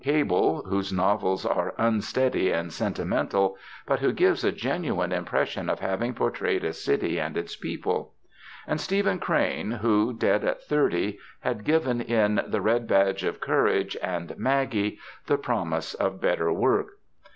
Cable, whose novels are unsteady and sentimental, but who gives a genuine impression of having portrayed a city and its people; and Stephen Crane, who, dead at thirty, had given in "The Red Badge of Courage" and "Maggie" the promise of better work.